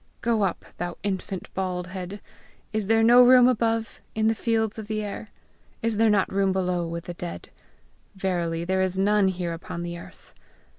Go up, thou infant bald head! Is there not room above, in the fields of the air? Is there not room below with the dead? Verily there is none here upon the earth!'